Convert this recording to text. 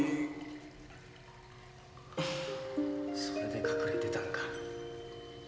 それで隠れてたんか。